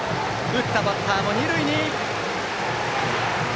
打ったバッターも二塁に。